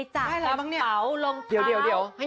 ทำเปราอย์ลองเท้า